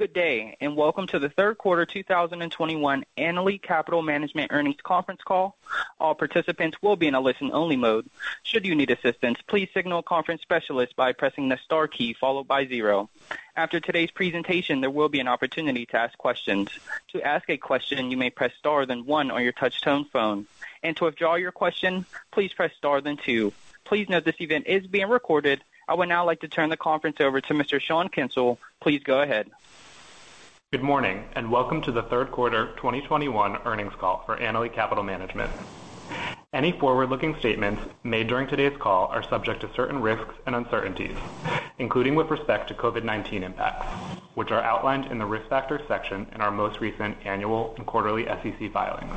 Good day, and welcome to the third quarter 2021 Annaly Capital Management earnings conference call. All participants will be in a listen-only mode. Should you need assistance, please signal a conference specialist by pressing the star key followed by zero. After today's presentation, there will be an opportunity to ask questions. To ask a question, you may press star then one on your touch-tone phone. To withdraw your question, please press star then two. Please note this event is being recorded. I would now like to turn the conference over to Mr. Sean Kensil. Please go ahead. Good morning, and welcome to the third quarter 2021 earnings call for Annaly Capital Management. Any forward-looking statements made during today's call are subject to certain risks and uncertainties, including with respect to COVID-19 impacts, which are outlined in the Risk Factors section in our most recent annual and quarterly SEC filings.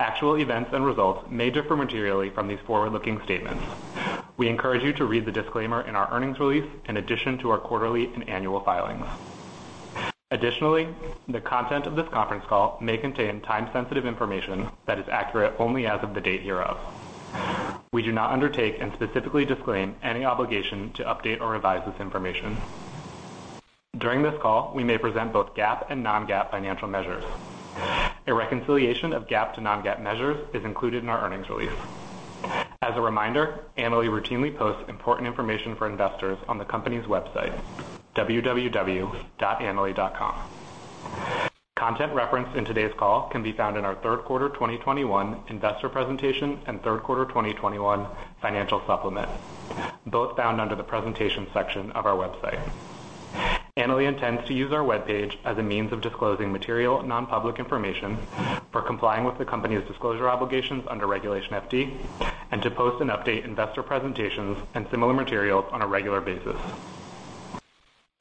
Actual events and results may differ materially from these forward-looking statements. We encourage you to read the disclaimer in our earnings release in addition to our quarterly and annual filings. Additionally, the content of this conference call may contain time-sensitive information that is accurate only as of the date hereof. We do not undertake and specifically disclaim any obligation to update or revise this information. During this call, we may present both GAAP and non-GAAP financial measures. A reconciliation of GAAP to non-GAAP measures is included in our earnings release. As a reminder, Annaly routinely posts important information for investors on the company's website, www.annaly.com. Content referenced in today's call can be found in our third quarter 2021 investor presentation and third quarter 2021 financial supplement, both found under the Presentation section of our website. Annaly intends to use our webpage as a means of disclosing material and nonpublic information for complying with the company's disclosure obligations under Regulation FD and to post and update investor presentations and similar materials on a regular basis.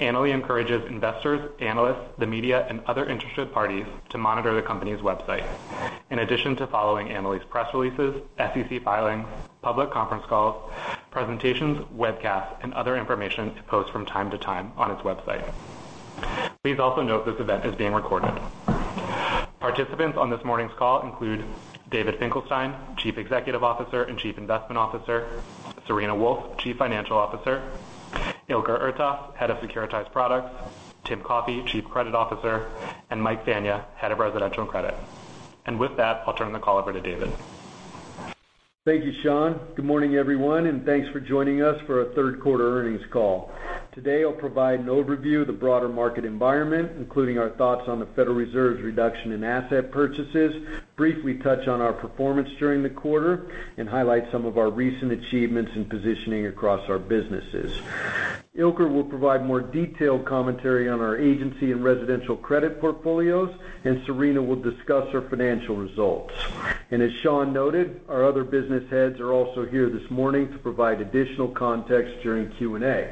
Annaly encourages investors, analysts, the media, and other interested parties to monitor the company's website in addition to following Annaly's press releases, SEC filings, public conference calls, presentations, webcasts, and other information it posts from time to time on its website. Please also note this event is being recorded. Participants on this morning's call include David Finkelstein, Chief Executive Officer and Chief Investment Officer, Serena Wolfe, Chief Financial Officer, Ilker Ertas, Head of Securitized Products, Tim Coffey, Chief Credit Officer, and Mike Fania, Head of Residential Credit. With that, I'll turn the call over to David. Thank you, Sean. Good morning, everyone, and thanks for joining us for our third quarter earnings call. Today, I'll provide an overview of the broader market environment, including our thoughts on the Federal Reserve's reduction in asset purchases, briefly touch on our performance during the quarter, and highlight some of our recent achievements and positioning across our businesses. Ilker will provide more detailed commentary on our agency and residential credit portfolios, and Serena will discuss our financial results. As Sean noted, our other business heads are also here this morning to provide additional context during Q&A.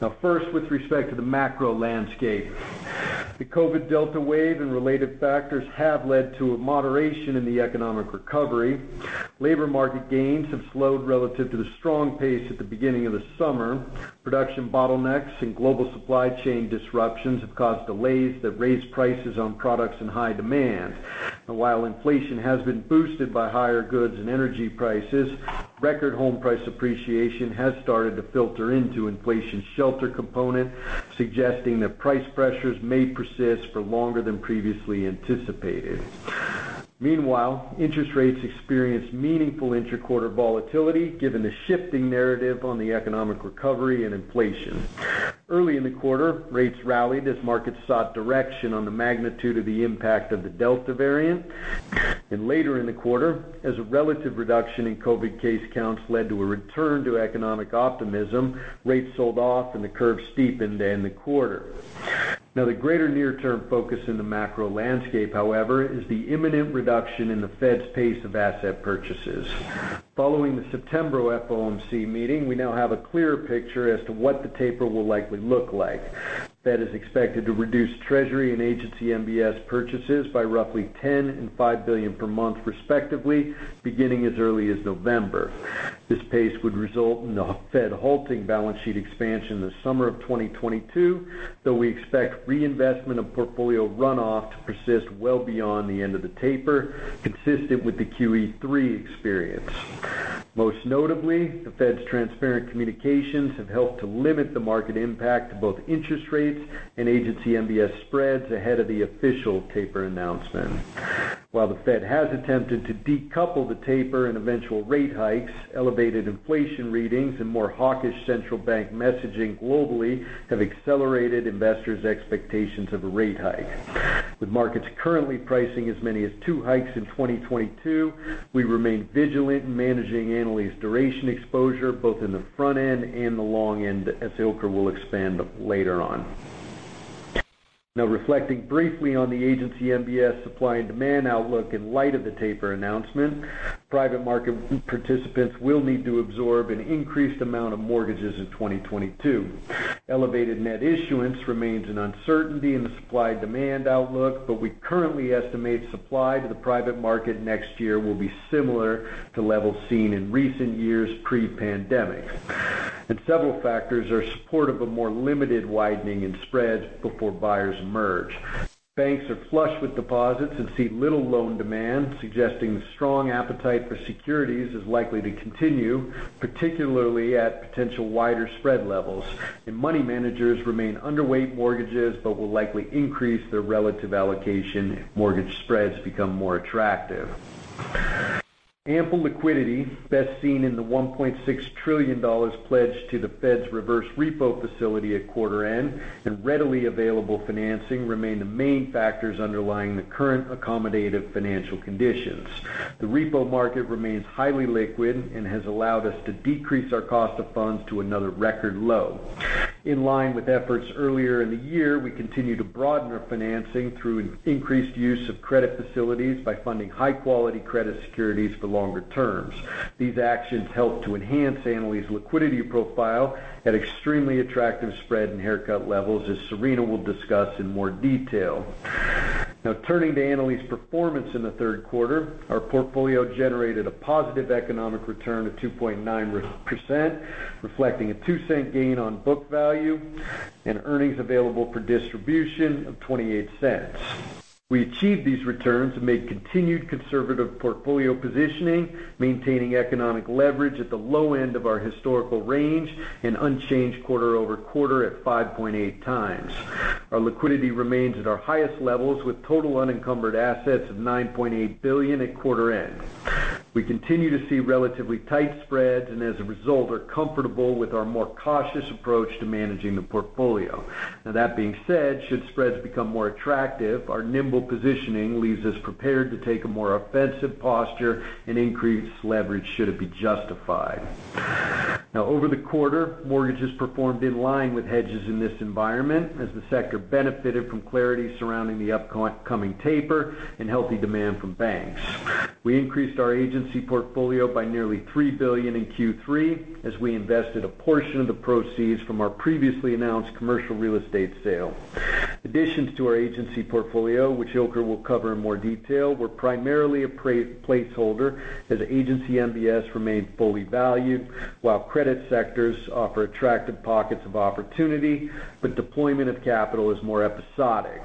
Now first, with respect to the macro landscape, the COVID Delta wave and related factors have led to a moderation in the economic recovery. Labor market gains have slowed relative to the strong pace at the beginning of the summer. Production bottlenecks and global supply chain disruptions have caused delays that raised prices on products in high demand. While inflation has been boosted by higher goods and energy prices, record home price appreciation has started to filter into inflation's shelter component, suggesting that price pressures may persist for longer than previously anticipated. Meanwhile, interest rates experienced meaningful intra-quarter volatility given the shifting narrative on the economic recovery and inflation. Early in the quarter, rates rallied as markets sought direction on the magnitude of the impact of the Delta variant. Later in the quarter, as a relative reduction in COVID case counts led to a return to economic optimism, rates sold off and the curve steepened to end the quarter. Now, the greater near-term focus in the macro landscape, however, is the imminent reduction in the Fed's pace of asset purchases. Following the September FOMC meeting, we now have a clearer picture as to what the taper will likely look like. Fed is expected to reduce Treasury and agency MBS purchases by roughly $10 billion and $5 billion per month, respectively, beginning as early as November. This pace would result in the Fed halting balance sheet expansion in the summer of 2022, though we expect reinvestment of portfolio runoff to persist well beyond the end of the taper, consistent with the QE3 experience. Most notably, the Fed's transparent communications have helped to limit the market impact to both interest rates and agency MBS spreads ahead of the official taper announcement. While the Fed has attempted to decouple the taper and eventual rate hikes, elevated inflation readings and more hawkish central bank messaging globally have accelerated investors' expectations of a rate hike. With markets currently pricing as many as two hikes in 2022, we remain vigilant in managing Annaly's duration exposure, both in the front end and the long end, as Ilker will expand later on. Now, reflecting briefly on the agency MBS supply and demand outlook in light of the taper announcement, private market participants will need to absorb an increased amount of mortgages in 2022. Elevated net issuance remains an uncertainty in the supply-demand outlook, but we currently estimate supply to the private market next year will be similar to levels seen in recent years pre-pandemic. Several factors are supportive of more limited widening in spreads before buyers emerge. Banks are flush with deposits and see little loan demand, suggesting strong appetite for securities is likely to continue, particularly at potential wider spread levels. Money managers remain underweight mortgages but will likely increase their relative allocation if mortgage spreads become more attractive. Ample liquidity, best seen in the $1.6 trillion pledged to the Fed's reverse repo facility at quarter end, and readily available financing remain the main factors underlying the current accommodative financial conditions. The repo market remains highly liquid and has allowed us to decrease our cost of funds to another record low. In line with efforts earlier in the year, we continue to broaden our financing through an increased use of credit facilities by funding high-quality credit securities for longer terms. These actions help to enhance Annaly's liquidity profile at extremely attractive spread and haircut levels, as Serena will discuss in more detail. Now turning to Annaly's performance in the third quarter. Our portfolio generated a positive economic return of 2.9%, reflecting a $0.02 gain on book value and earnings available for distribution of $0.28. We achieved these returns amid continued conservative portfolio positioning, maintaining economic leverage at the low end of our historical range and unchanged quarter-over-quarter at 5.8x. Our liquidity remains at our highest levels, with total unencumbered assets of $9.8 billion at quarter end. We continue to see relatively tight spreads and as a result are comfortable with our more cautious approach to managing the portfolio. Now that being said, should spreads become more attractive, our nimble positioning leaves us prepared to take a more offensive posture and increase leverage should it be justified. Now over the quarter, mortgages performed in line with hedges in this environment as the sector benefited from clarity surrounding the upcoming taper and healthy demand from banks. We increased our agency portfolio by nearly $3 billion in Q3 as we invested a portion of the proceeds from our previously announced commercial real estate sale. Additions to our agency portfolio, which Ilker will cover in more detail, were primarily a placeholder as agency MBS remained fully valued, while credit sectors offer attractive pockets of opportunity, but deployment of capital is more episodic.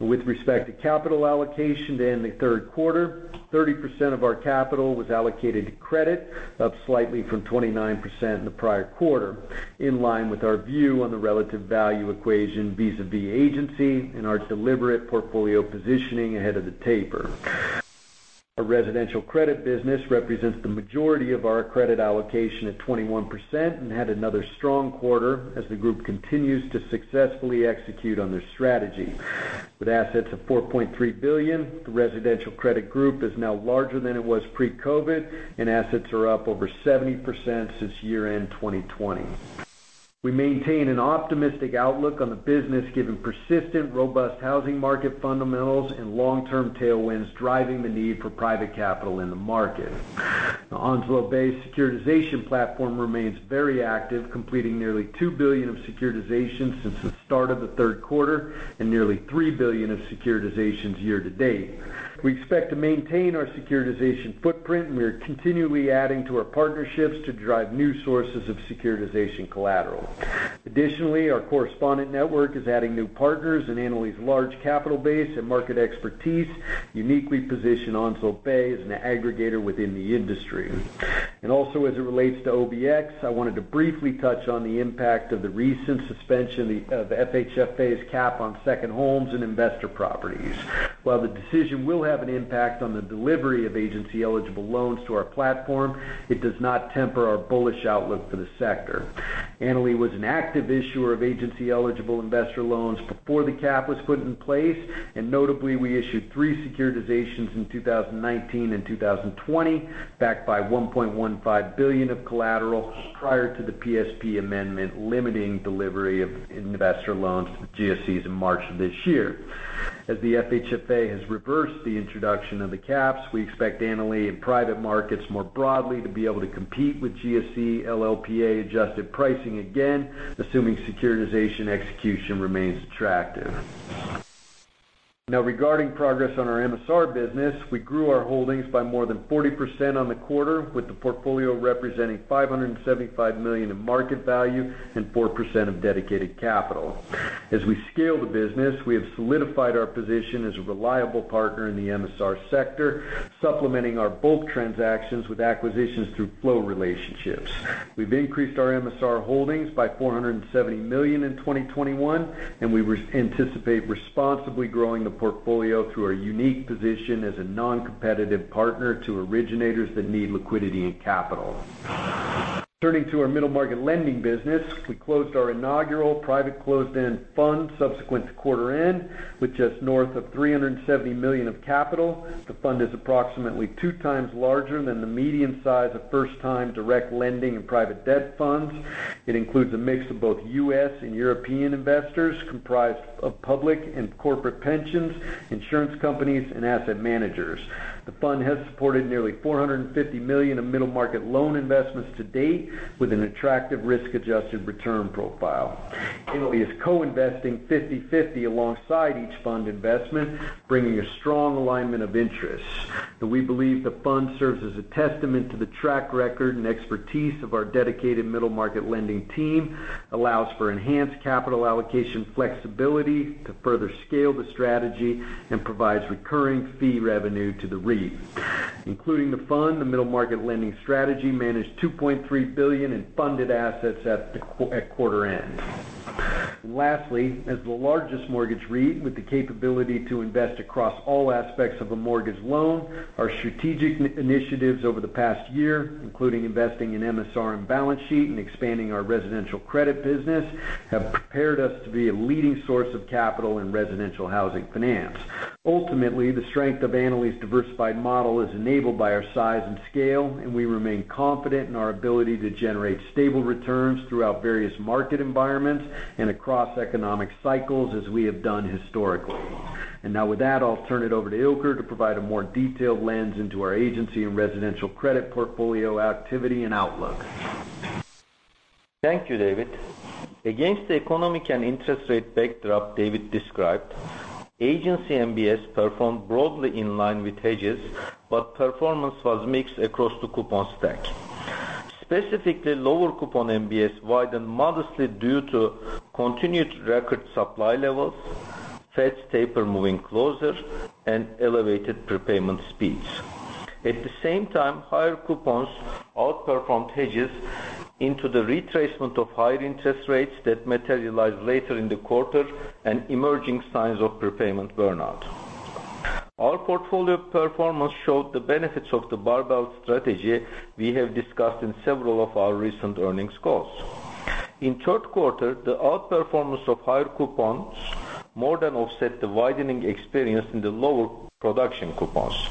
With respect to capital allocation to end the third quarter, 30% of our capital was allocated to credit, up slightly from 29% in the prior quarter, in line with our view on the relative value equation vis-à-vis agency and our deliberate portfolio positioning ahead of the taper. Our Residential Credit business represents the majority of our credit allocation at 21% and had another strong quarter as the group continues to successfully execute on their strategy. With assets of $4.3 billion, the Residential Credit Group is now larger than it was pre-COVID, and assets are up over 70% since year-end 2020. We maintain an optimistic outlook on the business given persistent, robust housing market fundamentals and long-term tailwinds driving the need for private capital in the market. The Onslow Bay-based securitization platform remains very active, completing nearly $2 billion of securitizations since the start of the third quarter and nearly $3 billion of securitizations year to date. We expect to maintain our securitization footprint, and we are continually adding to our partnerships to drive new sources of securitization collateral. Additionally, our correspondent network is adding new partners and Annaly's large capital base and market expertise uniquely position Onslow Bay as an aggregator within the industry. Also, as it relates to OBX, I wanted to briefly touch on the impact of the recent suspension of FHFA's cap on second homes and investor properties. While the decision will have an impact on the delivery of agency-eligible loans to our platform, it does not temper our bullish outlook for the sector. Annaly was an active issuer of agency-eligible investor loans before the cap was put in place, and notably, we issued three securitizations in 2019 and 2020, backed by $1.15 billion of collateral prior to the PSP amendment limiting delivery of investor loans to the GSEs in March of this year. As the FHFA has reversed the introduction of the caps, we expect Annaly and private markets more broadly to be able to compete with GSE LLPA-adjusted pricing again, assuming securitization execution remains attractive. Now regarding progress on our MSR business, we grew our holdings by more than 40% on the quarter, with the portfolio representing $575 million in market value and 4% of dedicated capital. As we scale the business, we have solidified our position as a reliable partner in the MSR sector, supplementing our bulk transactions with acquisitions through flow relationships. We've increased our MSR holdings by $470 million in 2021, and we anticipate responsibly growing the portfolio through our unique position as a non-competitive partner to originators that need liquidity and capital. Turning to our middle market lending business, we closed our inaugural private closed-end fund subsequent to quarter end with just north of $370 million of capital. The fund is approximately 2 times larger than the median size of first-time direct lending and private debt funds. It includes a mix of both U.S. and European investors comprised of public and corporate pensions, insurance companies, and asset managers. The fund has supported nearly $450 million of middle-market loan investments to date with an attractive risk-adjusted return profile. Annaly is co-investing 50-50 alongside each fund investment, bringing a strong alignment of interests. We believe the fund serves as a testament to the track record and expertise of our dedicated middle market lending team, allows for enhanced capital allocation flexibility to further scale the strategy, and provides recurring fee revenue to the REIT. Including the fund, the middle market lending strategy managed $2.3 billion in funded assets at quarter end. Lastly, as the largest mortgage REIT with the capability to invest across all aspects of a mortgage loan, our strategic initiatives over the past year, including investing in MSR and balance sheet and expanding our residential credit business, have prepared us to be a leading source of capital in residential housing finance. Ultimately, the strength of Annaly's diversified model is enabled by our size and scale, and we remain confident in our ability to generate stable returns throughout various market environments and across economic cycles as we have done historically. Now with that, I'll turn it over to Ilker to provide a more detailed lens into our agency and residential credit portfolio activity and outlook. Thank you, David. Against the economic and interest rate backdrop David described agency MBS performed broadly in line with hedges, but performance was mixed across the coupon stack. Specifically, lower coupon MBS widened modestly due to continued record supply levels, Fed's taper moving closer, and elevated prepayment speeds. At the same time, higher coupons outperformed hedges into the retracement of higher interest rates that materialized later in the quarter and emerging signs of prepayment burnout. Our portfolio performance showed the benefits of the barbell strategy we have discussed in several of our recent earnings calls. In third quarter, the outperformance of higher coupons more than offset the widening experience in the lower production coupons.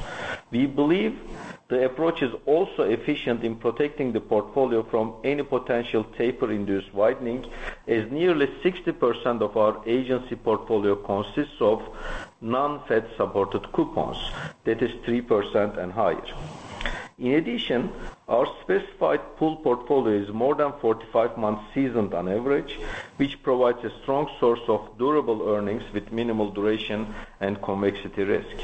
We believe the approach is also efficient in protecting the portfolio from any potential taper-induced widening, as nearly 60% of our agency portfolio consists of non-Fed-supported coupons. That is 3% and higher. In addition, our specified pool portfolio is more than 45 months seasoned on average, which provides a strong source of durable earnings with minimal duration and convexity risk.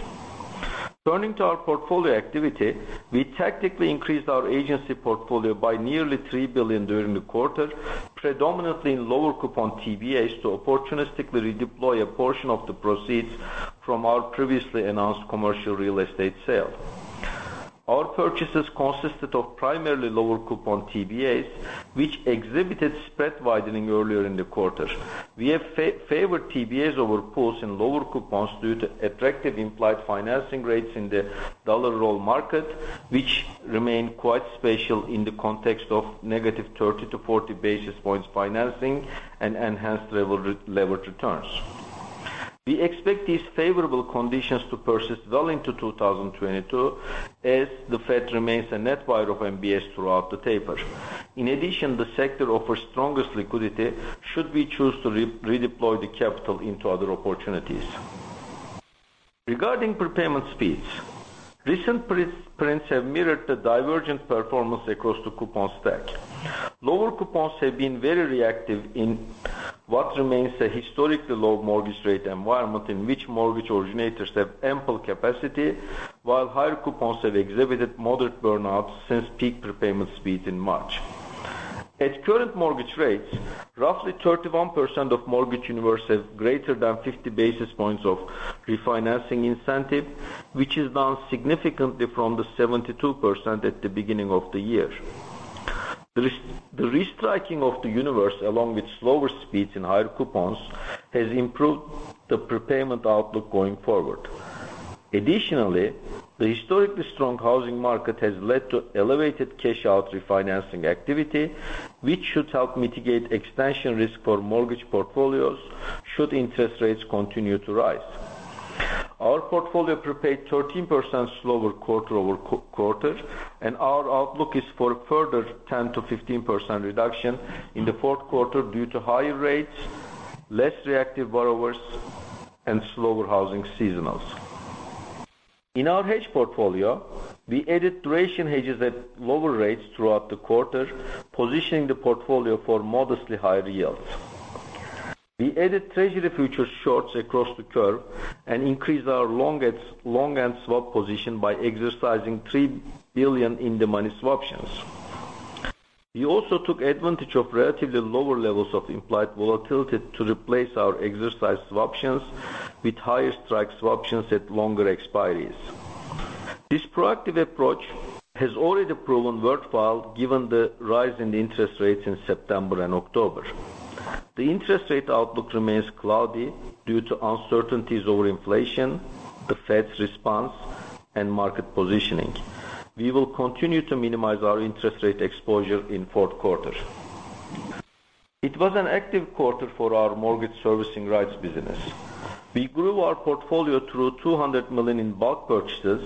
Turning to our portfolio activity, we tactically increased our agency portfolio by nearly $3 billion during the quarter, predominantly in lower coupon TBAs to opportunistically redeploy a portion of the proceeds from our previously announced commercial real estate sale. Our purchases consisted of primarily lower coupon TBAs, which exhibited spread widening earlier in the quarter. We have favored TBAs over pools in lower coupons due to attractive implied financing rates in the dollar roll market, which remain quite special in the context of negative 30-40 basis points financing and enhanced levered returns. We expect these favorable conditions to persist well into 2022 as the Fed remains a net buyer of MBS throughout the taper. In addition, the sector offers strongest liquidity should we choose to redeploy the capital into other opportunities. Regarding prepayment speeds, recent prints have mirrored the divergent performance across the coupon stack. Lower coupons have been very reactive in what remains a historically low mortgage rate environment in which mortgage originators have ample capacity, while higher coupons have exhibited moderate burnout since peak prepayment speeds in March. At current mortgage rates, roughly 31% of mortgage universe have greater than 50 basis points of refinancing incentive, which is down significantly from the 72% at the beginning of the year. The restriking of the universe, along with slower speeds and higher coupons, has improved the prepayment outlook going forward. Additionally, the historically strong housing market has led to elevated cash-out refinancing activity, which should help mitigate expansion risk for mortgage portfolios should interest rates continue to rise. Our portfolio prepaid 13% slower quarter-over-quarter, and our outlook is for a further 10%-15% reduction in the fourth quarter due to higher rates, less reactive borrowers, and slower housing seasonals. In our hedge portfolio, we added duration hedges at lower rates throughout the quarter, positioning the portfolio for modestly higher yields. We added Treasury futures shorts across the curve and increased our longest long-end swap position by exercising $3 billion in-the-money swap options. We also took advantage of relatively lower levels of implied volatility to replace our exercised swap options with higher strike swap options at longer expiries. This proactive approach has already proven worthwhile given the rise in interest rates in September and October. The interest rate outlook remains cloudy due to uncertainties over inflation, the Fed's response, and market positioning. We will continue to minimize our interest rate exposure in fourth quarter. It was an active quarter for our Mortgage Servicing Rights business. We grew our portfolio through $200 million in bulk purchases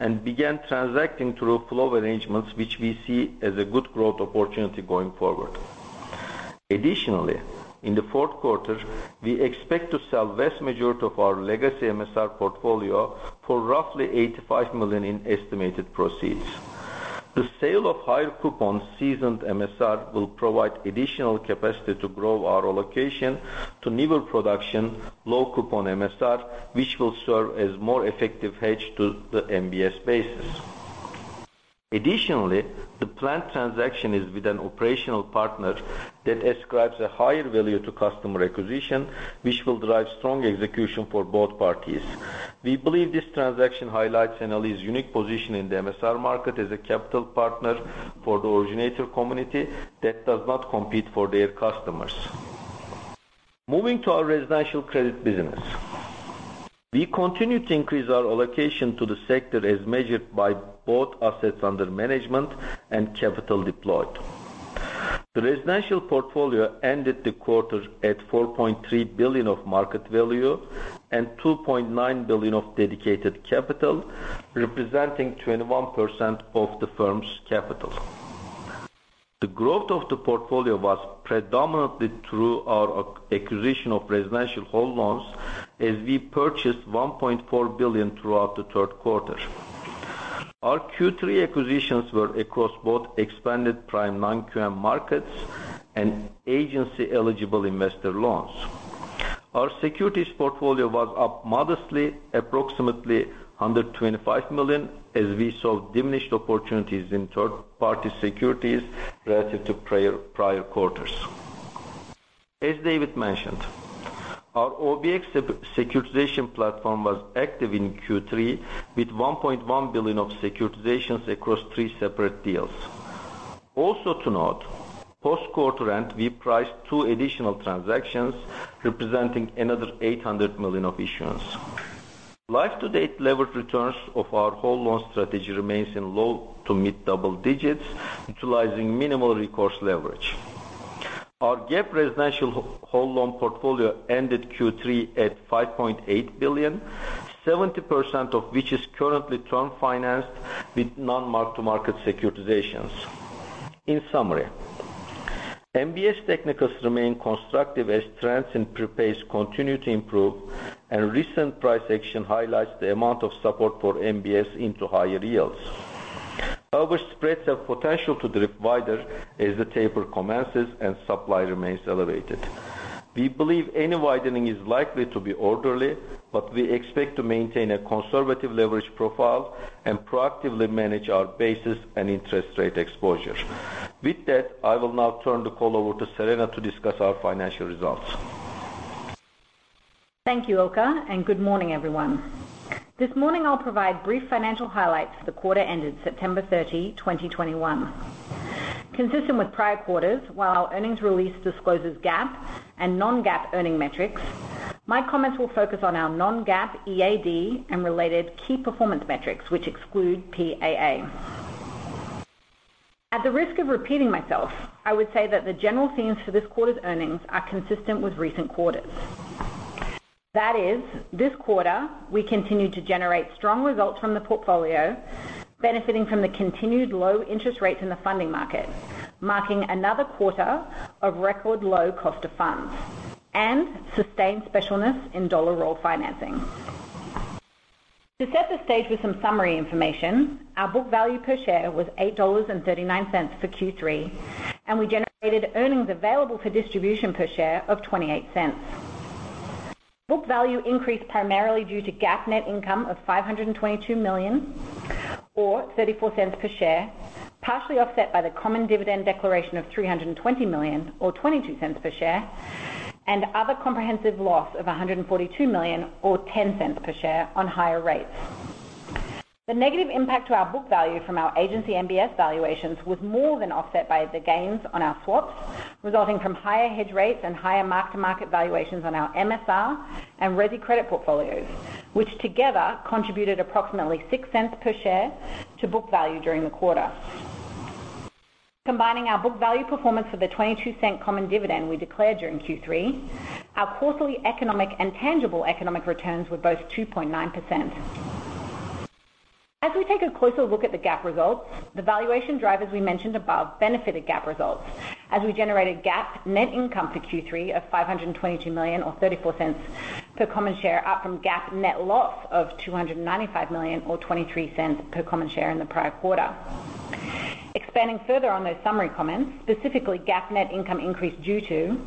and began transacting through flow arrangements, which we see as a good growth opportunity going forward. Additionally, in the fourth quarter, we expect to sell the vast majority of our legacy MSR portfolio for roughly $85 million in estimated proceeds. The sale of higher-coupon seasoned MSR will provide additional capacity to grow our allocation to newer production, low-coupon MSR, which will serve as more effective hedge to the MBS basis. Additionally, the planned transaction is with an operational partner that ascribes a higher value to customer acquisition, which will drive strong execution for both parties. We believe this transaction highlights Annaly's unique position in the MSR market as a capital partner for the originator community that does not compete for their customers. Moving to our Residential Credit business. We continue to increase our allocation to the sector as measured by both assets under management and capital deployed. The residential portfolio ended the quarter at $4.3 billion of market value and $2.9 billion of dedicated capital, representing 21% of the firm's capital. The growth of the portfolio was predominantly through our acquisition of residential whole loans, as we purchased $1.4 billion throughout the third quarter. Our Q3 acquisitions were across both expanded prime non-QM markets and agency-eligible investor loans. Our securities portfolio was up modestly, approximately $125 million, as we saw diminished opportunities in third-party securities relative to prior quarters. As David mentioned, our OBX securitization platform was active in Q3 with $1.1 billion of securitizations across three separate deals. Also to note, post-quarter end, we priced two additional transactions, representing another $800 million of issuance. Life-to-date levered returns of our whole loan strategy remains in low-to-mid double digits, utilizing minimal recourse leverage. Our GAAP residential whole loan portfolio ended Q3 at $5.8 billion, 70% of which is currently term financed with non-mark-to-market securitizations. In summary, MBS technicals remain constructive as trends in prepays continue to improve, and recent price action highlights the amount of support for MBS into higher yields. However, spreads have potential to drift wider as the taper commences and supply remains elevated. We believe any widening is likely to be orderly, but we expect to maintain a conservative leverage profile and proactively manage our basis and interest rate exposure. With that, I will now turn the call over to Serena to discuss our financial results. Thank you, Ilker, and good morning, everyone. This morning I'll provide brief financial highlights for the quarter ended September 30, 2021. Consistent with prior quarters, while our earnings release discloses GAAP and non-GAAP earning metrics, my comments will focus on our non-GAAP EAD and related key performance metrics, which exclude PAA. At the risk of repeating myself, I would say that the general themes for this quarter's earnings are consistent with recent quarters. That is, this quarter we continued to generate strong results from the portfolio, benefiting from the continued low interest rates in the funding market, marking another quarter of record low cost of funds and sustained specialness in dollar roll financing. To set the stage with some summary information, our book value per share was $8.39 for Q3, and we generated earnings available for distribution per share of $0.28. Book value increased primarily due to GAAP net income of $522 million or $0.34 per share, partially offset by the common dividend declaration of $320 million or $0.22 per share, and other comprehensive loss of $142 million or $0.10 per share, on higher rates. The negative impact to our book value from our Agency MBS valuations was more than offset by the gains on our swaps, resulting from higher hedge rates and higher mark-to-market valuations on our MSR and resi credit portfolios, which together contributed approximately $0.06 per share to book value during the quarter. Combining our book value performance for the $0.22 common dividend we declared during Q3, our quarterly economic and tangible economic returns were both 2.9%. As we take a closer look at the GAAP results, the valuation drivers we mentioned above benefited GAAP results as we generated GAAP net income for Q3 of $522 million or $0.34 per common share, up from GAAP net loss of $295 million or $0.23 per common share in the prior quarter. Expanding further on those summary comments, specifically GAAP net income increased due to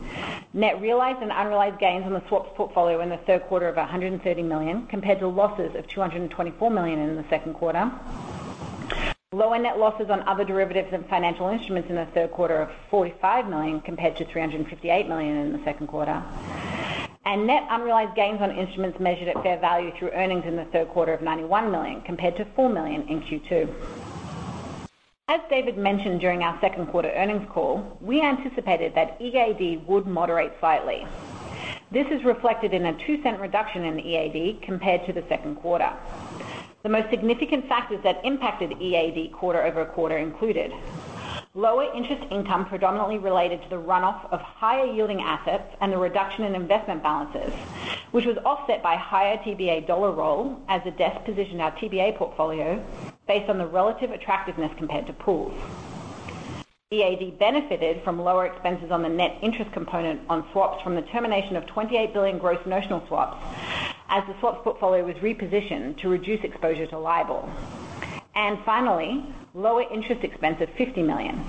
net realized and unrealized gains on the swaps portfolio in the third quarter of $130 million, compared to losses of $224 million in the second quarter. Lower net losses on other derivatives and financial instruments in the third quarter of $45 million, compared to $358 million in the second quarter. Net unrealized gains on instruments measured at fair value through earnings in the third quarter of $91 million, compared to $4 million in Q2. As David mentioned during our second quarter earnings call, we anticipated that EAD would moderate slightly. This is reflected in a $0.02 reduction in EAD compared to the second quarter. The most significant factors that impacted EAD quarter-over-quarter included lower interest income predominantly related to the runoff of higher-yielding assets and the reduction in investment balances, which was offset by higher TBA dollar roll as the desk positioned our TBA portfolio based on the relative attractiveness compared to pools. EAD benefited from lower expenses on the net interest component on swaps from the termination of $28 billion gross notional swaps as the swaps portfolio was repositioned to reduce exposure to LIBOR. Finally, lower interest expense of $50 million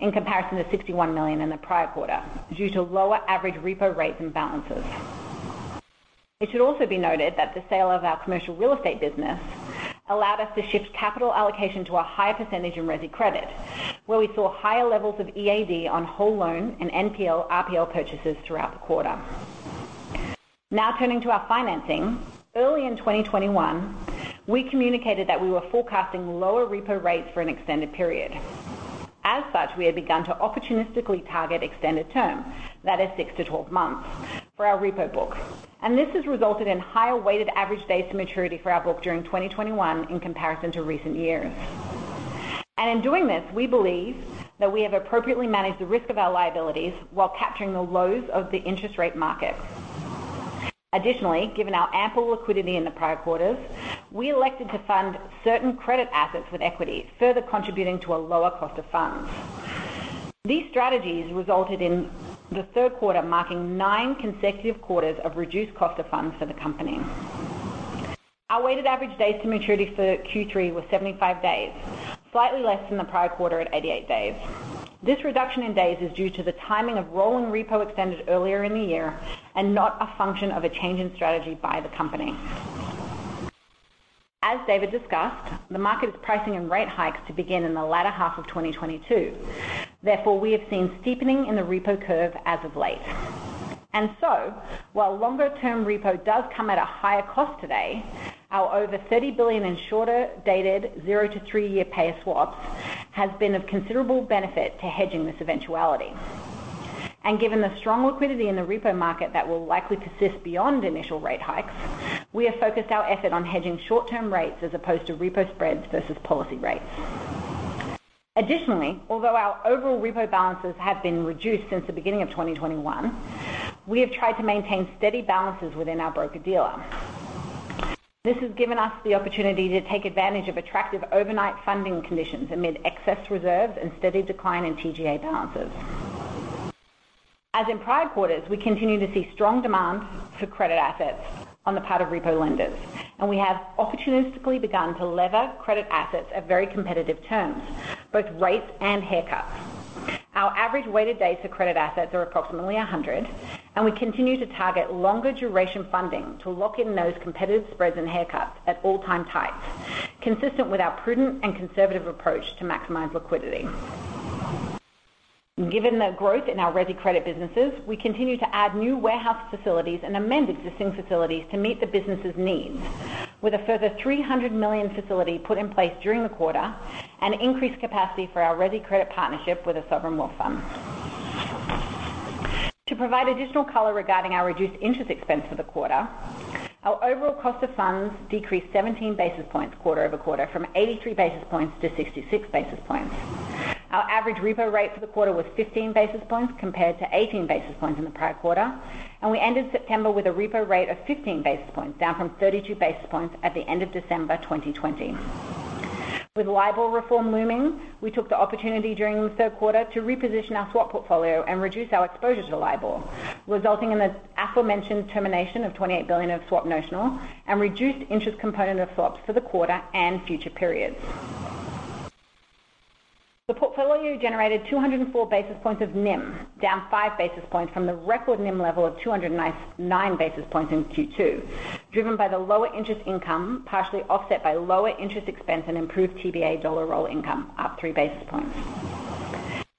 in comparison to $61 million in the prior quarter, due to lower average repo rates and balances. It should also be noted that the sale of our commercial real estate business allowed us to shift capital allocation to a higher percentage in resi credit, where we saw higher levels of EAD on whole loan and NPL, RPL purchases throughout the quarter. Now turning to our financing. Early in 2021, we communicated that we were forecasting lower repo rates for an extended period. As such, we have begun to opportunistically target extended terms, that is, 6-12 months for our repo book. This has resulted in higher weighted average days to maturity for our book during 2021 in comparison to recent years. In doing this, we believe that we have appropriately managed the risk of our liabilities while capturing the lows of the interest rate market. Additionally, given our ample liquidity in the prior quarters, we elected to fund certain credit assets with equity, further contributing to a lower cost of funds. These strategies resulted in the third quarter, marking nine consecutive quarters of reduced cost of funds for the company. Our weighted average days to maturity for Q3 was 75 days, slightly less than the prior quarter at 88 days. This reduction in days is due to the timing of rolling repo extended earlier in the year and not a function of a change in strategy by the company. As David discussed, the market is pricing in rate hikes to begin in the latter half of 2022. Therefore, we have seen steepening in the repo curve as of late. While longer-term repo does come at a higher cost today, our over $30 billion in shorter-dated 0- to 3-year payer swaps has been of considerable benefit to hedging this eventuality. Given the strong liquidity in the repo market that will likely persist beyond initial rate hikes, we have focused our effort on hedging short-term rates as opposed to repo spreads versus policy rates. Additionally, although our overall repo balances have been reduced since the beginning of 2021, we have tried to maintain steady balances within our broker dealer. This has given us the opportunity to take advantage of attractive overnight funding conditions amid excess reserves and steady decline in TGA balances. As in prior quarters, we continue to see strong demand for credit assets on the part of repo lenders, and we have opportunistically begun to lever credit assets at very competitive terms, both rates and haircuts. Our average weighted days for credit assets are approximately 100, and we continue to target longer duration funding to lock in those competitive spreads and haircuts at all-time tights, consistent with our prudent and conservative approach to maximize liquidity. Given the growth in our resi credit businesses, we continue to add new warehouse facilities and amend existing facilities to meet the business's needs, with a further $300 million facility put in place during the quarter and increased capacity for our resi credit partnership with a sovereign wealth fund. To provide additional color regarding our reduced interest expense for the quarter, our overall cost of funds decreased 17 basis points quarter-over-quarter from 83 basis points to 66 basis points. Our average repo rate for the quarter was 15 basis points compared to 18 basis points in the prior quarter. We ended September with a repo rate of 15 basis points, down from 32 basis points at the end of December 2020. With LIBOR reform looming, we took the opportunity during the third quarter to reposition our swap portfolio and reduce our exposure to LIBOR, resulting in the aforementioned termination of $28 billion of swap notional and reduced interest component of swaps for the quarter and future periods. The portfolio generated 204 basis points of NIM, down 5 basis points from the record NIM level of 209 basis points in Q2, driven by the lower interest income, partially offset by lower interest expense and improved TBA dollar roll income, up 3 basis points.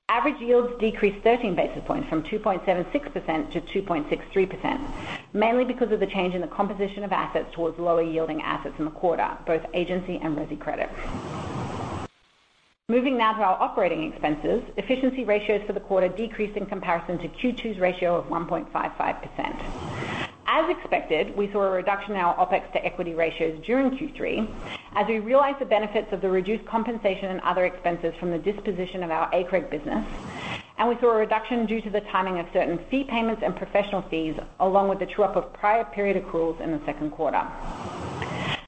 Average yields decreased 13 basis points from 2.76% to 2.63%, mainly because of the change in the composition of assets towards lower-yielding assets in the quarter, both agency and resi credit. Moving now to our operating expenses. Efficiency ratios for the quarter decreased in comparison to Q2's ratio of 1.55%. As expected, we saw a reduction in our OpEx to equity ratios during Q3 as we realized the benefits of the reduced compensation and other expenses from the disposition of our ACREG business. We saw a reduction due to the timing of certain fee payments and professional fees, along with the true-up of prior period accruals in the second quarter.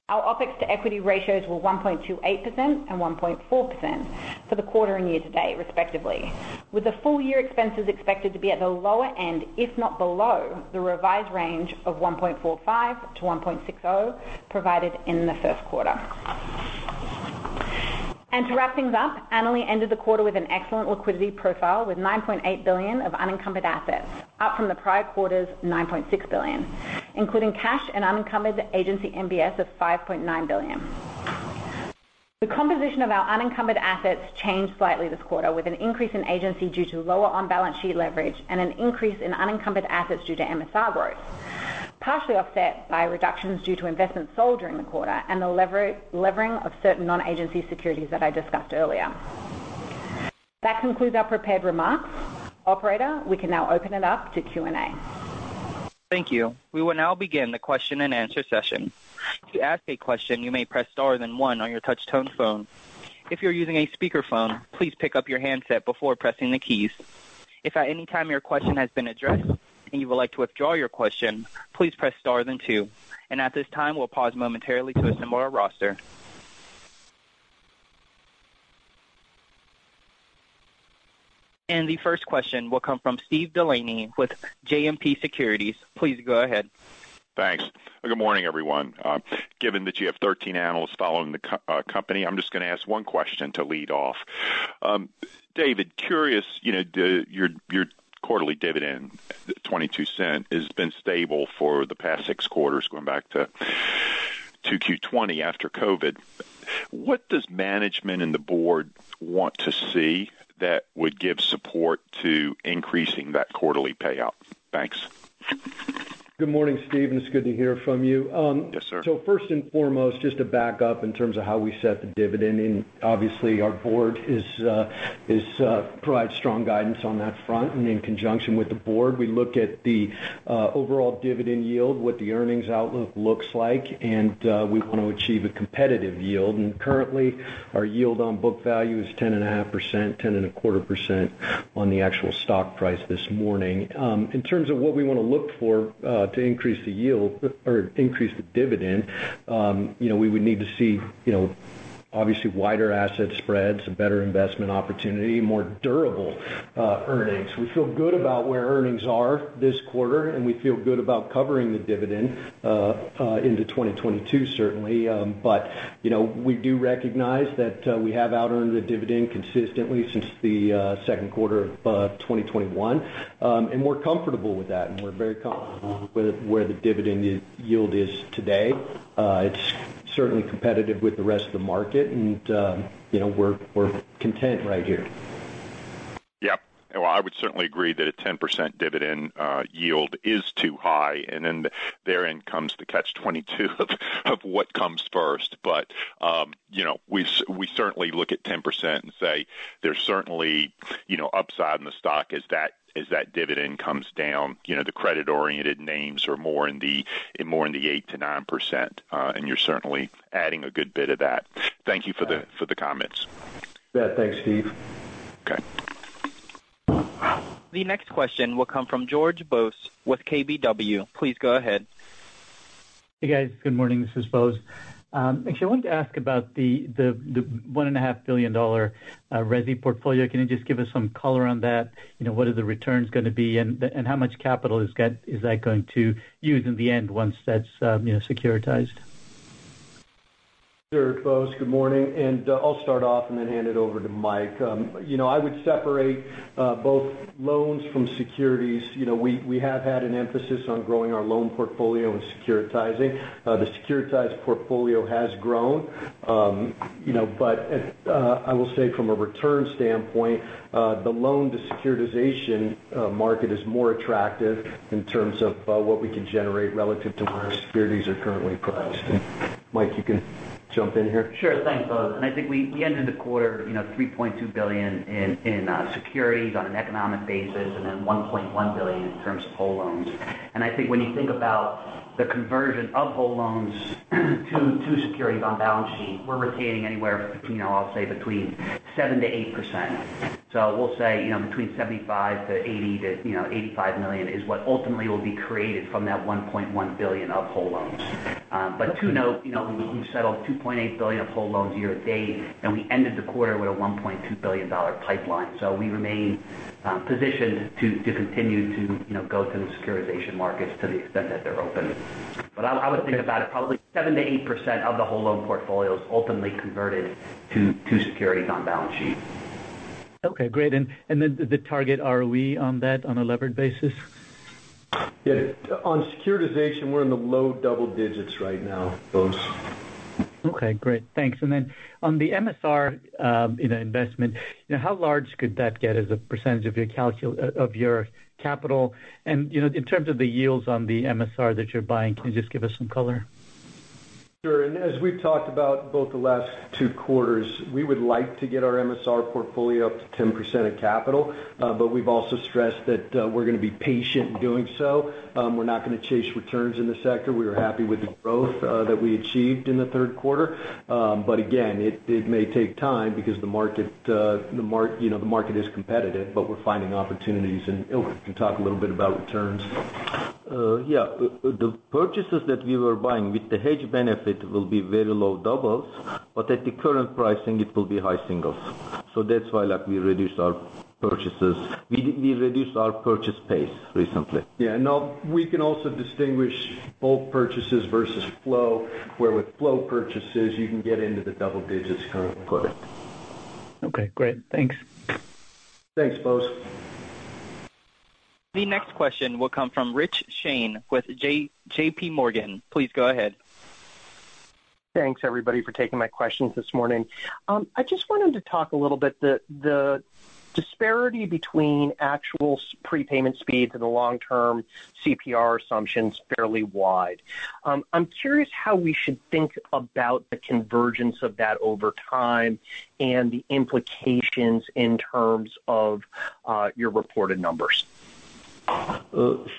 Our OpEx-to-equity ratios were 1.28% and 1.4% for the quarter and year to date, respectively, with the full-year expenses expected to be at the lower end, if not below, the revised range of 1.45%-1.60% provided in the first quarter. To wrap things up, Annaly ended the quarter with an excellent liquidity profile with $9.8 billion of unencumbered assets, up from the prior quarter's $9.6 billion, including cash and unencumbered Agency MBS of $5.9 billion. The composition of our unencumbered assets changed slightly this quarter, with an increase in Agency due to lower on-balance sheet leverage and an increase in unencumbered assets due to MSR growth, partially offset by reductions due to investments sold during the quarter and the levering of certain non-agency securities that I discussed earlier. That concludes our prepared remarks. Operator, we can now open it up to Q&A. Thank you. We will now begin the question and answer session. To ask a question, you may press star then one on your touch-tone phone. If you're using a speakerphone, please pick up your handset before pressing the keys. If at any time your question has been addressed and you would like to withdraw your question, please press star then two. At this time, we'll pause momentarily to assemble our roster. The first question will come from Steve DeLaney with JMP Securities. Please go ahead. Thanks. Good morning, everyone. Given that you have 13 analysts following the company, I'm just gonna ask one question to lead off. David, curious, your quarterly dividend, the $0.22, has been stable for the past six quarters, going back to Q2 2020 after COVID. What does management and the board want to see that would give support to increasing that quarterly payout? Thanks. Good morning, Steve, and it's good to hear from you. Yes, sir. First and foremost, just to back up in terms of how we set the dividend. Obviously, our board provides strong guidance on that front. In conjunction with the board, we look at the overall dividend yield, what the earnings outlook looks like, and we want to achieve a competitive yield. Currently, our yield on book value is 10.5%, 10.25% on the actual stock price this morning. In terms of what we want to look for to increase the yield or increase the dividend, we would need to see, obviously, wider asset spreads, a better investment opportunity, more durable earnings. We feel good about where earnings are this quarter, and we feel good about covering the dividend into 2022, certainly. We do recognize that we have outearned the dividend consistently since the second quarter of 2021. We're comfortable with that, and we're very comfortable with where the dividend yield is today. It's certainly competitive with the rest of the market, and we're content right here. Yeah. Well, I would certainly agree that a 10% dividend yield is too high, and then therein comes the catch-22 of what comes first. We certainly look at 10% and say there's certainly upside in the stock as that dividend comes down; the credit-oriented names are more in the 8%-9%, and you're certainly adding a good bit of that. Thank you for the comments. Yeah, thanks, Steve. Okay. The next question will come from George Bose with KBW. Please go ahead. Hey, guys. Good morning. This is Bose. Actually, I wanted to ask about the $1.5 billion ready portfolio. Can you just give us some color on that? What are the returns gonna be and how much capital is that going to use in the end once that's securitized? Sure, Bose. Good morning. I'll start off and then hand it over to Mike. I would separate both loans from securities. We have had an emphasis on growing our loan portfolio and securitizing. The securitized portfolio has grown, but I will say from a return standpoint, the loan to securitization market is more attractive in terms of what we can generate relative to where our securities are currently priced. Mike, you can jump in here. Sure. Thanks, Bose. I think we ended the quarter $3.2 billion in securities on an economic basis and then $1.1 billion in terms of whole loans. I think when you think about the conversion of whole loans to securities on balance sheet, we're retaining anywhere between, I'll say, 7% and 8%. We'll say $75-$85 million is what ultimately will be created from that $1.1 billion of whole loans. But to note, we settled $2.8 billion of whole loans year to date, and we ended the quarter with a $1.2 billion pipeline. We remain positioned to continue to go to the securitization markets to the extent that they're open. I would think about it; probably 7%-8% of the whole loan portfolio is ultimately converted to securities on balance sheet. Okay, great. The target ROE on that on a levered basis? Yeah. On securitization, we're in the low double digits right now, Bose. Okay, great. Thanks. Then on the MSR, investment, how large could that get as a percentage of your capital? In terms of the yields on the MSR that you're buying, can you just give us some color? Sure. As we've talked about both the last two quarters, we would like to get our MSR portfolio up to 10% of capital, but we've also stressed that we're gonna be patient in doing so. We're not gonna chase returns in the sector. We were happy with the growth that we achieved in the third quarter. Again, it may take time because the market is competitive, but we're finding opportunities. Ilker can talk a little bit about returns. Yeah. The purchases that we were buying with the hedge benefit will be very low doubles, but at the current pricing it will be high singles. That's why, like, we reduced our purchases. We reduced our purchase pace recently. Yeah. No. We can also distinguish bulk purchases versus flow, where with flow purchases, you can get into the double digits currently. Okay, great. Thanks. Thanks, Bose. The next question will come from Rich Shane with J.P. Morgan. Please go ahead. Thanks, everybody, for taking my questions this morning. I just wanted to talk a little bit about the disparity between actual prepayment speeds and the long-term CPR assumption's fairly wide. I'm curious how we should think about the convergence of that over time and the implications in terms of your reported numbers.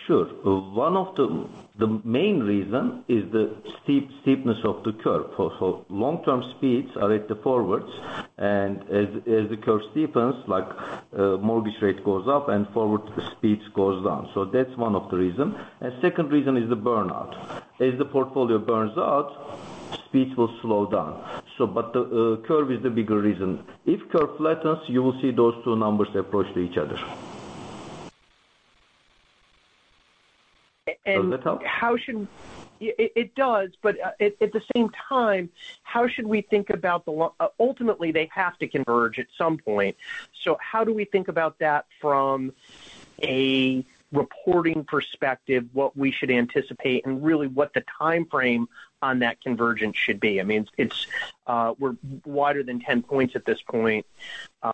Sure. One of the main reason is the steepness of the curve. Long-term speeds are at the forwards, and as the curve steepens, like, mortgage rate goes up and forward speeds goes down. That's one of the reason. Second reason is the burnout. As the portfolio burns out, speeds will slow down. But the curve is the bigger reason. If the curve flattens, you will see those two numbers approach to each other. It does, but at the same time, ultimately they have to converge at some point. How do we think about that from a reporting perspective, what we should anticipate and really what the timeframe on that convergence should be? I mean, we're wider than 10 points at this point,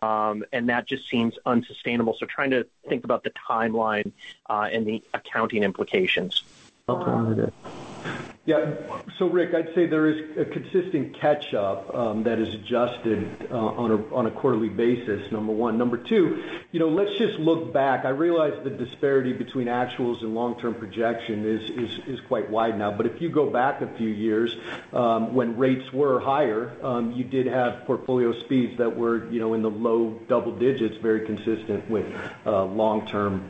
and that just seems unsustainable. Trying to think about the timeline and the accounting implications. Yeah. Rich, I'd say there is a consistent catch-up that is adjusted on a quarterly basis, number one. Number two, let's just look back. I realize the disparity between actuals and long-term projection is quite wide now. If you go back a few years, when rates were higher, you did have portfolio speeds that were in the low double digits, very consistent with long-term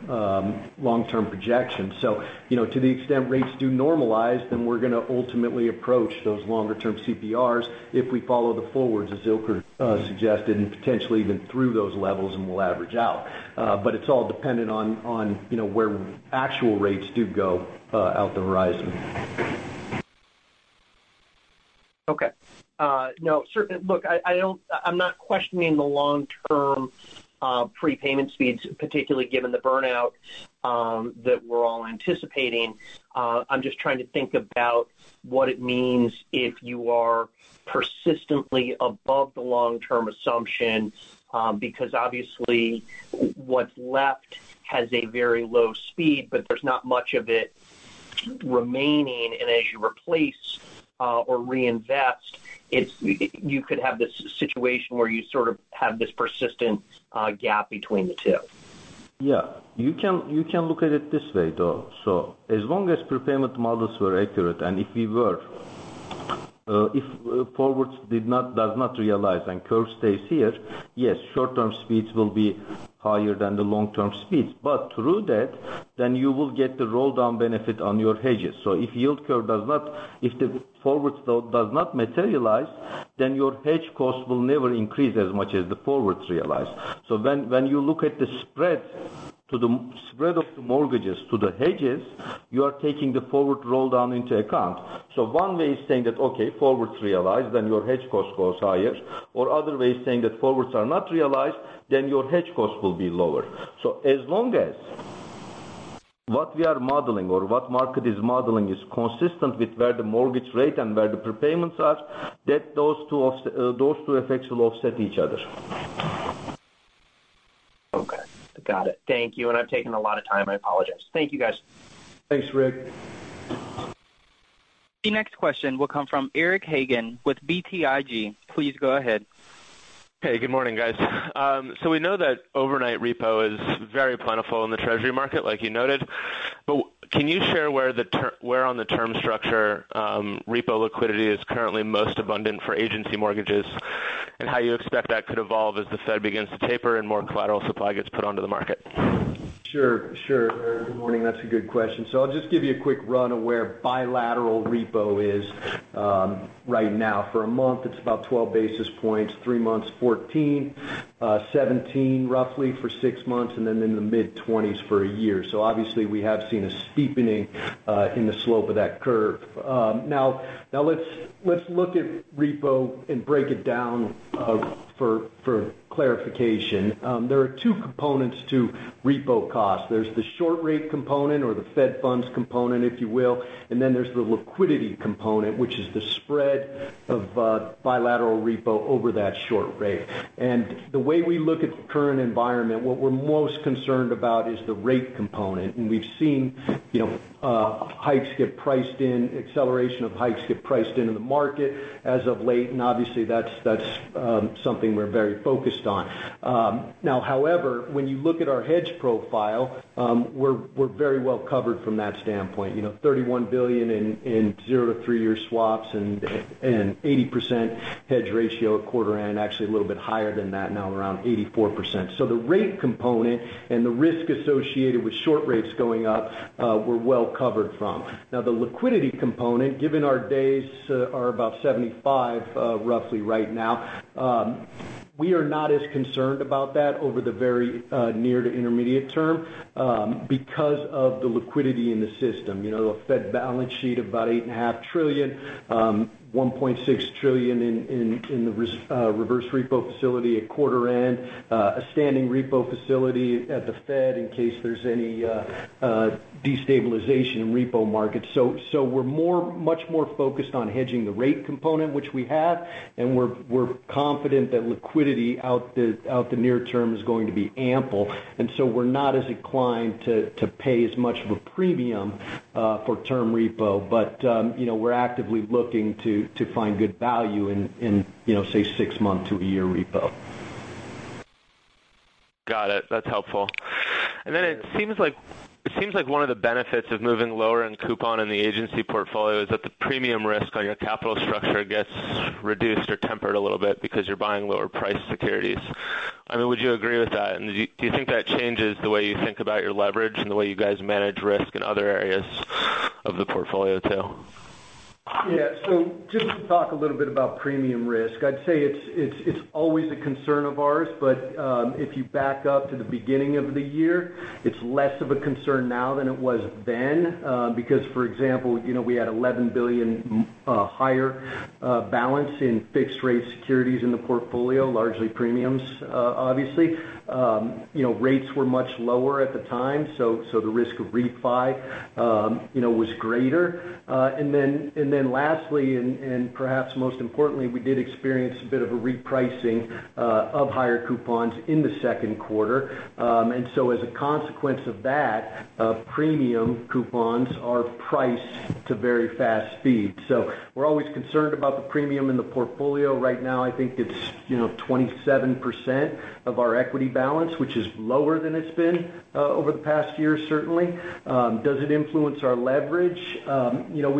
projections., to the extent rates do normalize, then we're gonna ultimately approach those longer-term CPRs if we follow the forwards, as Ilker suggested, and potentially even through those levels, and we'll average out. It's all dependent on where actual rates do go out the horizon. Okay. No, look, I'm not questioning the long-term prepayment speeds, particularly given the burnout that we're all anticipating. I'm just trying to think about what it means if you are persistently above the long-term assumption, because obviously what's left has a very low speed, but there's not much of it remaining. As you replace or reinvest, you could have this situation where you sort of have this persistent gap between the two. Yeah, you can look at it this way, though. As long as prepayment models were accurate, and if forwards does not realize and curve stays here, yes, short-term speeds will be higher than the long-term speeds. Through that, then you will get the roll-down benefit on your hedges. If the forwards though does not materialize, then your hedge costs will never increase as much as the forwards realize. When you look at the spread of the mortgages to the hedges, you are taking the forward roll down into account. One way is saying that, okay, forwards realized, then your hedge cost goes higher, or other way is saying that forwards are not realized, then your hedge costs will be lower. As long as what we are modeling or what market is modeling is consistent with where the mortgage rate and where the prepayments are, that those two effects will offset each other. Okay. Got it. Thank you. I've taken a lot of time. I apologize. Thank you, guys. Thanks, Rich. The next question will come from Eric Hagen with BTIG. Please go ahead. Hey, good morning, guys. So we know that overnight repo is very plentiful in the treasury market, like you noted. Can you share where on the term structure repo liquidity is currently most abundant for agency mortgages and how you expect that could evolve as the Fed begins to taper and more collateral supply gets put onto the market? Sure, sure. Good morning. That's a good question. I'll just give you a quick run of where bilateral repo is right now. For a month, it's about 12 basis points, three months, 14; 17 roughly for six months, and then in the mid-20s for a year. Obviously we have seen a steepening in the slope of that curve. Now let's look at repo and break it down for clarification. There are two components to repo cost. There's the short rate component or the Fed funds component, if you will. And then there's the liquidity component, which is the spread of bilateral repo over that short rate. And the way we look at the current environment, what we're most concerned about is the rate component. We've seen hikes get priced in, acceleration of hikes get priced into the market as of late. Obviously that's something we're very focused on. Now, however, when you look at our hedge profile, we're very well covered from that standpoint., $31 billion in zero to three-year swaps and 80% hedge ratio at quarter end, actually a little bit higher than that now, around 84%. So the rate component and the risk associated with short rates going up, we're well covered from. Now, the liquidity component, given our days are about 75, roughly right now, we are not as concerned about that over the very near to intermediate term because of the liquidity in the system. A Fed balance sheet of about $8.5 trillion, $1.6 trillion in the reverse repo facility at quarter end, a standing repo facility at the Fed in case there's any destabilization in repo market. We're much more focused on hedging the rate component, which we have, and we're confident that liquidity in the near term is going to be ample. We're not as inclined to pay as much of a premium for term repo; we're actively looking to find good value in, say, six-month to one-year repo. Got it. That's helpful. It seems like one of the benefits of moving lower in coupon in the agency portfolio is that the premium risk on your capital structure gets reduced or tempered a little bit because you're buying lower-priced securities. I mean, would you agree with that? Do you think that changes the way you think about your leverage and the way you guys manage risk in other areas of the portfolio too? Yeah. Just to talk a little bit about premium risk, I'd say it's always a concern of ours, but if you back up to the beginning of the year, it's less of a concern now than it was then, because for example, we had $11 billion higher balance in fixed-rate securities in the portfolio, largely premiums, obviously. Rates were much lower at the time, so the risk of refi was greater. Then, perhaps most importantly, we did experience a bit of a repricing of higher coupons in the second quarter. As a consequence of that, premium coupons are priced to very fast speed. We're always concerned about the premium in the portfolio. Right now, I think it's 27% of our equity balance, which is lower than it's been over the past year, certainly. Does it influence our leverage?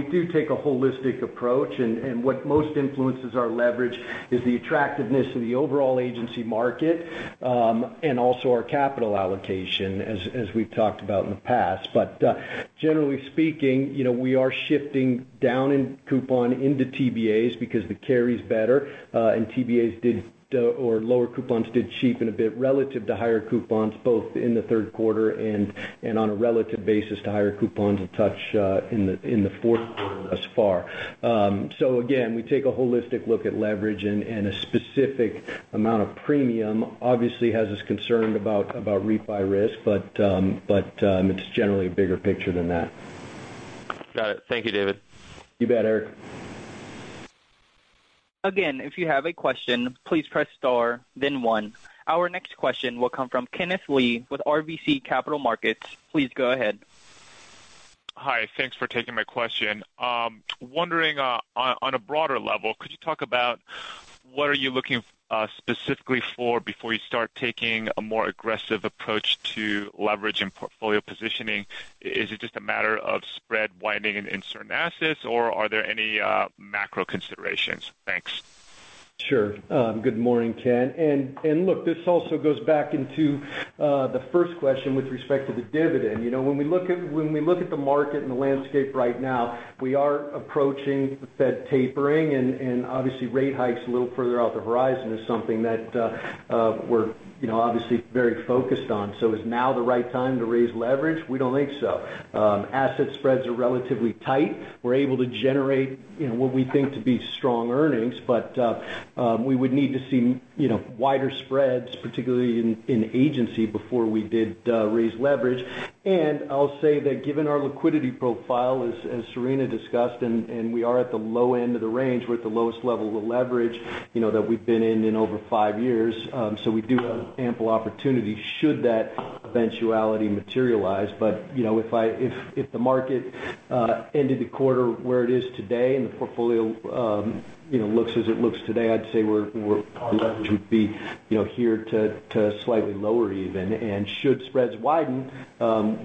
We do take a holistic approach, and what most influences our leverage is the attractiveness of the overall agency market and also our capital allocation, as we've talked about in the past. But generally speaking, we are shifting down in coupon into TBAs because the carry is better, and TBAs or lower coupons did cheapen a bit relative to higher coupons, both in the third quarter and on a relative basis to higher coupons a touch in the fourth quarter thus far. Again, we take a holistic look at leverage and a specific amount of premium obviously has us concerned about refi risk. It's generally a bigger picture than that. Got it. Thank you, David. You bet, Eric. Again, if you have a question, please press star, then one. Our next question will come from Kenneth Lee with RBC Capital Markets. Please go ahead. Hi. Thanks for taking my question. I'm wondering, on a broader level, could you talk about what are you looking specifically for before you start taking a more aggressive approach to leverage and portfolio positioning? Is it just a matter of spread widening in certain assets, or are there any macro considerations? Thanks. Sure. Good morning, Ken. Look, this also goes back into the first question with respect to the dividend. When we look at the market and the landscape right now, we are approaching the Fed tapering and obviously, rate hikes a little further on the horizon is something that we're obviously very focused on. Is now the right time to raise leverage? We don't think so. Asset spreads are relatively tight. We're able to generate what we think to be strong earnings, but we would need to see wider spreads, particularly in agency, before we did raise leverage. I'll say that given our liquidity profile, as Serena discussed, and we are at the low end of the range. We're at the lowest level of leverage that we've been in over five years. We do have ample opportunity should that eventuality materialize. If the market ended the quarter where it is today and the portfolio looks as it looks today, I'd say our leverage would be,, here to slightly lower even. Should spreads widen,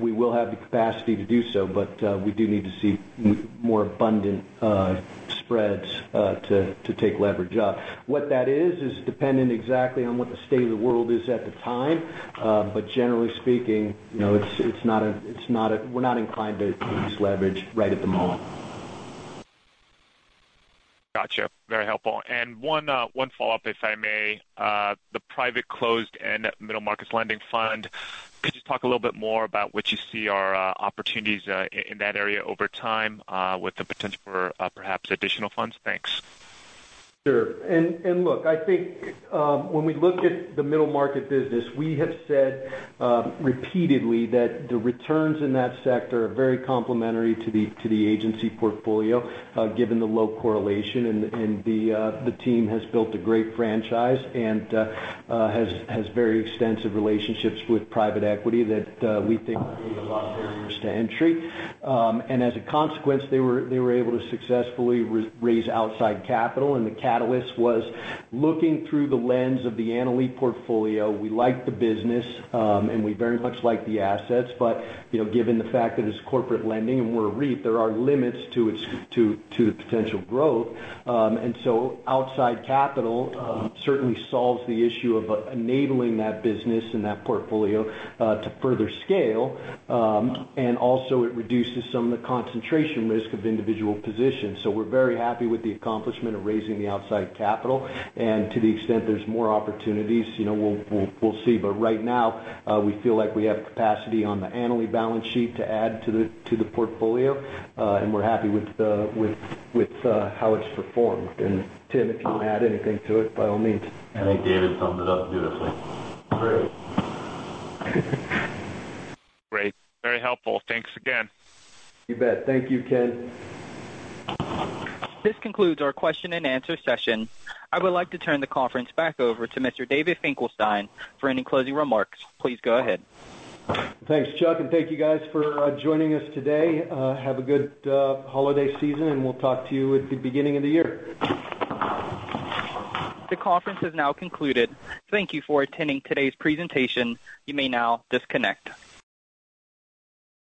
we will have the capacity to do so, but we do need to see more abundant spreads to take leverage up. What that is dependent exactly on what the state of the world is at the time. Generally speaking, we're not inclined to increase leverage right at the moment. Gotcha. Very helpful. One follow-up, if I may. The private closed-end middle markets lending fund, could you talk a little bit more about what you see are opportunities in that area over time with the potential for perhaps additional funds? Thanks. Sure. Look, I think when we look at the middle market business, we have said repeatedly that the returns in that sector are very complementary to the agency portfolio, given the low correlation. The team has built a great franchise and has very extensive relationships with private equity that we think create a lot of barriers to entry. As a consequence, they were able to successfully raise outside capital, and the catalyst was looking through the lens of the Annaly portfolio. We like the business, and we very much like the assets, but given the fact that it's corporate lending and we're a REIT, there are limits to its potential growth. Outside capital certainly solves the issue of enabling that business and that portfolio to further scale. It also reduces some of the concentration risk of individual positions. We're very happy with the accomplishment of raising the outside capital. To the extent there's more opportunities, we'll see. Right now we feel like we have capacity on the Annaly balance sheet to add to the portfolio. We're happy with how it's performed. Tim, if you want to add anything to it, by all means. I think David summed it up beautifully. Great. Great. Very helpful. Thanks again. You bet. Thank you, Ken. This concludes our question and answer session. I would like to turn the conference back over to Mr. David Finkelstein for any closing remarks. Please go ahead. Thanks, Chuck, and thank you guys for joining us today. Have a good holiday season, and we'll talk to you at the beginning of the year. The conference has now concluded. Thank you for attending today's presentation. You may now disconnect.